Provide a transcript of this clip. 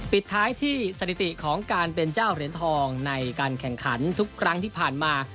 ปิดท้ายที่สถิติของการเป็นเจ้าเหรียญทองในการแข่งขันทุกครั้งที่ผ่านมา